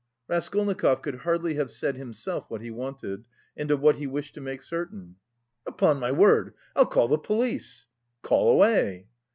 Raskolnikov could hardly have said himself what he wanted and of what he wished to make certain. "Upon my word! I'll call the police!" "Call away!"